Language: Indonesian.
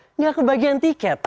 tidak kebagian tiket